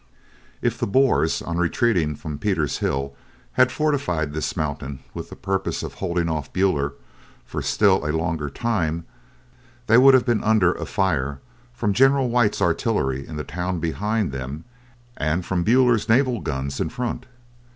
If the Boers on retreating from Pieter's Hill had fortified this mountain with the purpose of holding off Buller for a still longer time, they would have been under a fire from General White's artillery in the town behind them and from Buller's naval guns in front.